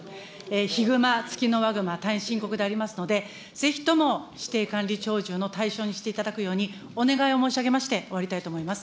ヒグマ、ツキノワグマ、大変深刻でありますので、ぜひとも指定管理鳥獣の対象にしていただくようにお願いを申し上げまして終わりたいと思います。